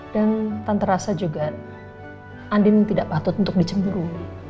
dan tante rasa juga andien tidak patut untuk dicemburu